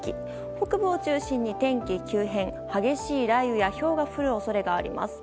北部を中心に天気急変激しい雷雨やひょうが降る恐れがあります。